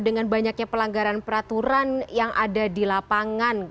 dengan banyaknya pelanggaran peraturan yang ada di lapangan